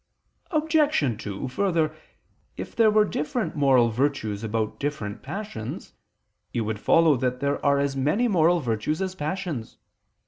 Obj. 2: Further, if there were different moral virtues about different passions, it would follow that there are as many moral virtues as passions.